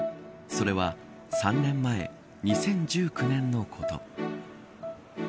それは３年前２０１９年のこと。